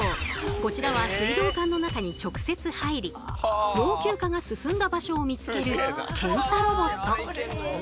こちらは水道管の中に直接入り老朽化が進んだ場所を見つける検査ロボット。